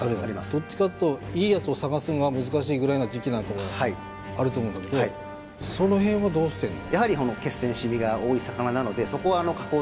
どっちかっていうといいやつを探すのが難しいぐらいの時期なんかもあると思うんだけどその辺はどうしてんの？